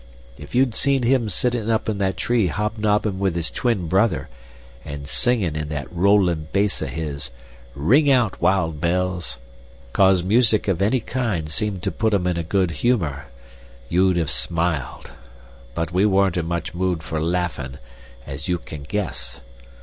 If you'd seen him sitting up in that tree hob nobbin' with his twin brother and singin' in that rollin' bass of his, 'Ring out, wild bells,' cause music of any kind seemed to put 'em in a good humor, you'd have smiled; but we weren't in much mood for laughin', as you can guess.